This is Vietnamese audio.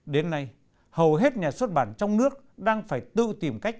đến nay hầu hết nhà xuất bản trong nước đang phải tự tìm cách